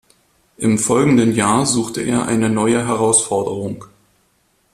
Im folgenden Jahr suchte er eine neue Herausforderung.